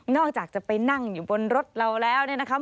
จะไปนั่งอยู่บนรถเราแล้วเนี่ยนะครับ